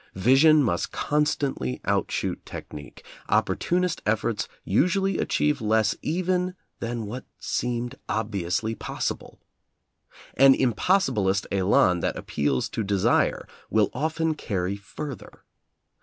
Vision must constantly outshoot technique, opportunist efforts usually achieve less even than what seemed obviously possible. An impossibilist elan that appeals to desire will often carry further.